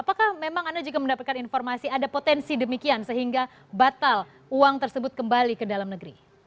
apakah memang anda juga mendapatkan informasi ada potensi demikian sehingga batal uang tersebut kembali ke dalam negeri